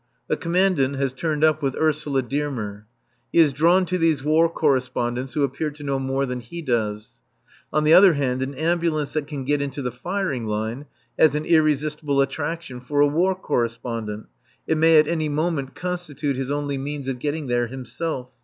The Commandant has turned up with Ursula Dearmer. He is drawn to these War Correspondents who appear to know more than he does. On the other hand, an ambulance that can get into the firing line has an irresistible attraction for a War Correspondent. It may at any moment constitute his only means of getting there himself.